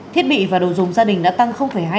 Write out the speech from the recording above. thiết bị và đồ dùng gia đình đã tăng hai mươi năm